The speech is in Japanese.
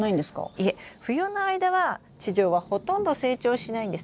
いえ冬の間は地上はほとんど成長しないんです。